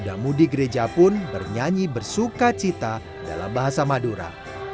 muda mudi gereja pun bernyanyi bersuka cita dalam bahasa madura